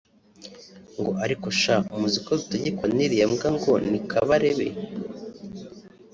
ngo “ariko sha muzi ko dutegekwa n’iriya mbwa ngo ni Kabarebe